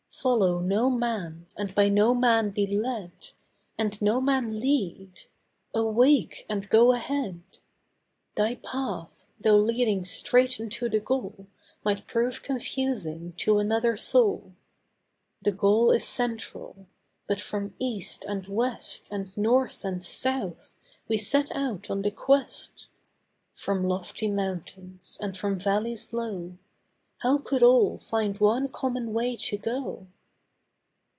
Follow no man, and by no man be led, And no man lead. Awake, and go ahead. Thy path, though leading straight unto the goal Might prove confusing to another soul. The goal is central; but from east, and west, And north, and south, we set out on the quest; From lofty mountains, and from valleys low:— How could all find one common way to go?